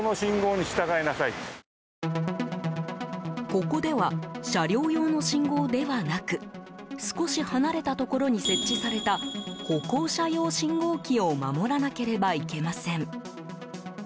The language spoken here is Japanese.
ここでは車両用の信号ではなく少し離れたところに設置された歩行者用信号機を守らなければいけません。